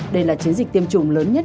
đây là chiến dịch tiêm chủng lớn nhất